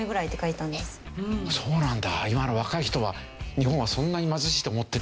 あっそうなんだ。